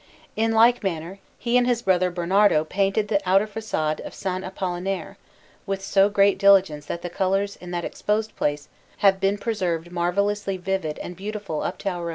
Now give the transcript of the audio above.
In like manner, he and his brother Bernardo painted the outer façade of S. Apollinare, with so great diligence that the colours in that exposed place have been preserved marvellously vivid and beautiful up to our own day.